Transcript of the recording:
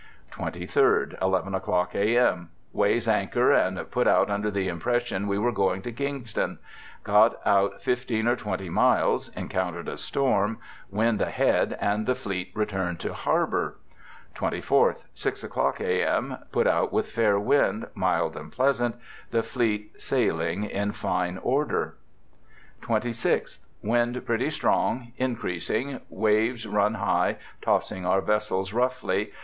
'" 23rd. — II o'clock a.m. — Weighs anchor and put out under the impression we were going to Kingston. Got out 15 or 20 miles— encountered a storm — wind ahead and the fleet returned to harbour. '"24th.— 6 o'clock a.m. — Put out with a fair wind — mild and pleasant — the fleet sailing in fine order. '" 26th. — Wind pretty strong — increasing — waves run high, tossing our vessels roughly.